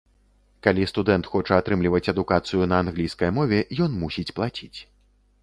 Калі студэнт хоча атрымліваць адукацыю на англійскай мове, ён мусіць плаціць.